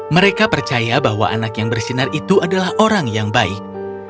mereka percaya bahwa anak yang bersinar itu adalah orang yang baik